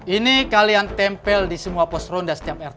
ini kalian tempel di semua pos ronda setiap rt